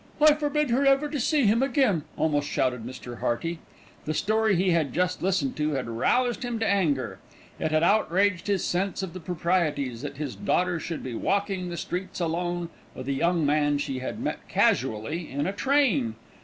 "I forbid her ever to see him again," almost shouted Mr. Hearty. The story he had just listened to had roused him to anger. It had outraged his sense of the proprieties that his daughter should be walking the streets alone with a young man she had met casually in a train!